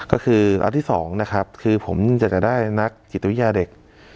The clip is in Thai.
อันที่สองนะครับคือผมจะได้นักกิจวิทยาเด็ก